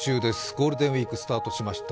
ゴールデンウイークスタートしました。